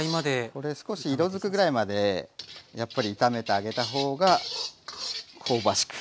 これ少し色づくぐらいまでやっぱり炒めてあげた方が香ばしく